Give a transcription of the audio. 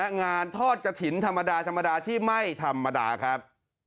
งานทอดกระถิ่นธรรมดาธรรมดาที่ไม่ธรรมดาครับ